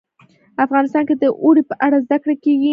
افغانستان کې د اوړي په اړه زده کړه کېږي.